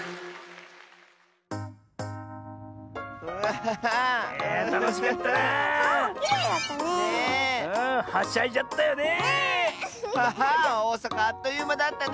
ハハーおおさかあっというまだったね！